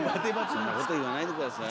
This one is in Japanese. そんなこと言わないで下さい。